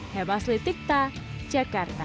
hebas litikta jakarta